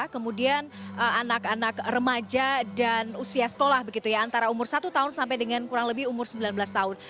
kemudian anak anak remaja dan usia sekolah begitu ya antara umur satu tahun sampai dengan kurang lebih umur sembilan belas tahun